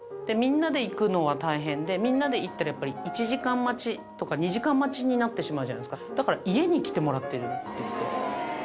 みんなで行くのは大変で、みんなで行ったら、やっぱり１時間待ちとか、２時間待ちになってしまうじゃないですか、だから家に来てもらってるっていって。